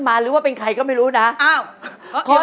ไม่ค่อยแต่ก็ลองดูค่ะ